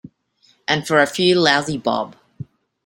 And for a few lousy bob.